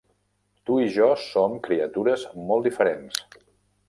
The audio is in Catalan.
Tu i jo som criatures molt diferents.